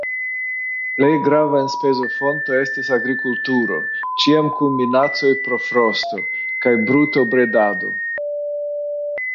Plej grava enspezofonto estis agrikulturo (ĉiam kun minacoj pro frosto) kaj brutobredado.